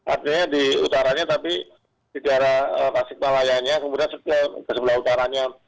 artinya di utaranya tapi di daerah tasik malayanya kemudian ke sebelah utaranya